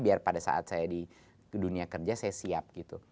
biar pada saat saya di dunia kerja saya siap gitu